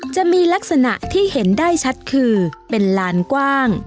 จะมีลักษณะที่เห็นได้ชัดคือเป็นลานกว้าง